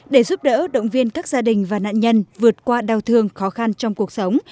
để giúp đỡ động viên các gia đình và nạn nhân vượt qua đau thương khó khăn trong cuộc sống